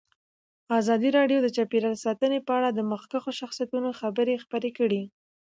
ازادي راډیو د چاپیریال ساتنه په اړه د مخکښو شخصیتونو خبرې خپرې کړي.